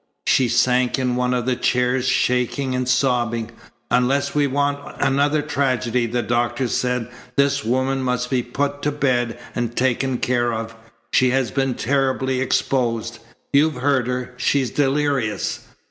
She sank in one of the chairs, shaking and sobbing. "Unless we want another tragedy," the doctor said, "this woman must be put to bed and taken care of. She has been terribly exposed. You've heard her. She's delirious."